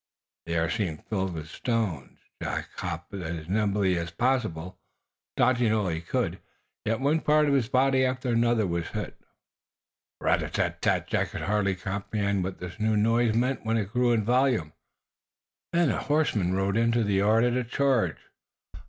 The air seemed filled with stones. Jack hopped about as nimbly as possible, dodging all he could. Yet one part of his body after another was hit. Rat a tat tat! Jack hardly comprehended what this new noise meant when it grew in volume. Then a horseman rode into the yard at a charge.